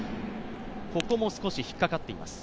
ここも少し引っ掛かっています。